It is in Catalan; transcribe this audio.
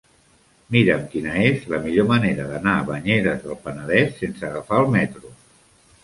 Mira'm quina és la millor manera d'anar a Banyeres del Penedès sense agafar el metro.